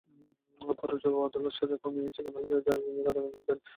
পরে উচ্চ আদালত সাজা কমিয়ে চিকন আলীকে যাবজ্জীবন কারাদন্ড দেন।